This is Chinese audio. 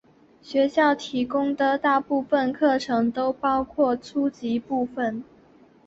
学校提供的大部分课程都包括初级部分。